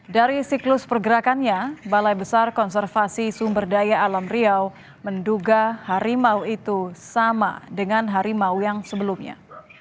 dari siklus pergerakannya balai besar konservasi sumber daya alam riau menduga harimau itu sama dengan harimau yang sebelumnya